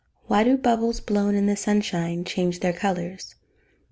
_Why do bubbles, blown in the sunshine, change their colours?